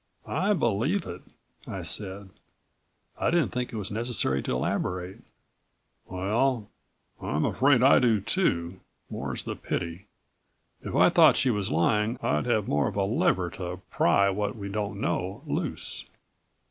"I believe it," I said. I didn't think it was necessary to elaborate. "Well ... I'm afraid I do too, more's the pity. If I thought she was lying I'd have more of a lever to pry what we don't know loose."